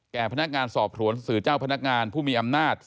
พนักงานสอบสวนสื่อเจ้าพนักงานผู้มีอำนาจ